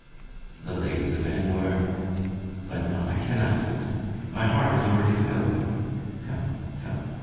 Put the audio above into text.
The ladies of N. were But no, I cannot do it; my heart has already failed me. Come, come!